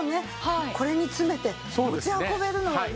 これに詰めて持ち運べるのは嬉しいですね。